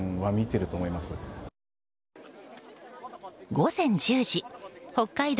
午前１０時、北海道